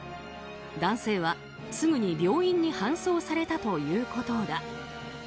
男性はすぐに病院に搬送されたということだ。